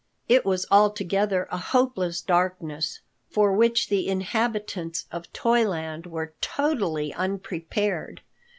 It was altogether a hopeless darkness, for which the inhabitants of Toyland were totally unprepared.